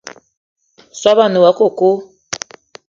Soobo a ne woua coco